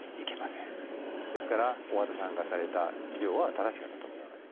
ですから大和田さんがされた治療は正しかったと思います。